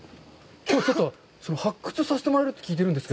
きょうちょっと発掘させてもらえるって聞いてるんですが。